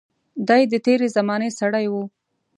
دای د تېرې زمانې سړی و.